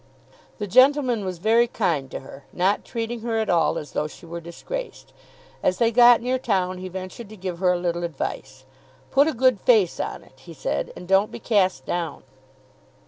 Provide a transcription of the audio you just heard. The gentleman was very kind to her, not treating her at all as though she were disgraced. As they got near town he ventured to give her a little advice. "Put a good face on it," he said, "and don't be cast down."